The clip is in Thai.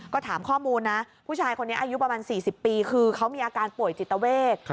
ก็ถามข้อมูลนะผู้ชายคนนี้อายุประมาณ๔๐ปีคือเขามีอาการป่วยจิตเวท